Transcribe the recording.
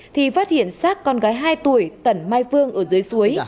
thì phát hiện sát con gái hai tuổi tẩn mai phương ở dưới suối